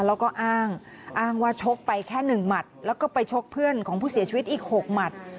แล้วก็อ้างอ้างว่าชกไปแค่๑หมัดแล้วก็ไปชกเพื่อนของผู้เสียชีวิตอีก๖หมัด